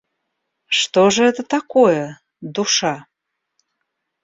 Что же это такое душа?